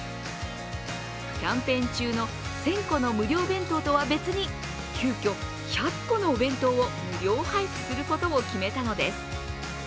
キャンペーン中の１０００個の無料弁当とは別に急きょ、１００個のお弁当を無料配布することを決めたのです。